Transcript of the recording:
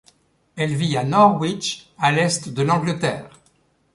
Elle vit à Norwich, à l'est de l'Angleterre.